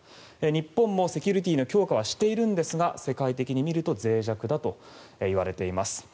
日本もセキュリティーの強化はしているんですが世界的にみるとぜい弱だといわれています。